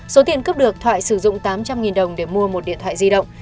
số tiền cướp được thoại sử dụng tám trăm linh đồng để mua một điện thoại di động